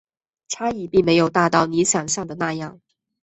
差异并没有大到你想像的那样